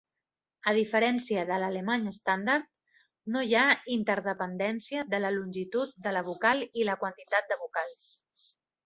A diferència de l'alemany estàndard, no hi ha interdependència de la longitud de la vocal i la quantitat de vocals.